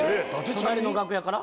隣の楽屋から？